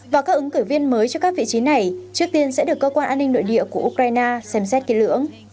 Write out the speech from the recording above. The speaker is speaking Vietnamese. và các ứng cử viên mới cho các vị trí này trước tiên sẽ được cơ quan an ninh nội địa của ukraine xem xét kỷ lưỡng